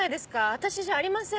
私じゃありません。